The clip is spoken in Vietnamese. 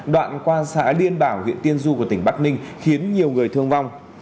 đoạn qua xã liên bảo huyện tiên du của tỉnh bắc ninh khiến nhiều người thương vong